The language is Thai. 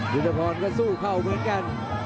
ยุทธพรก็สู้เข้าเหมือนกัน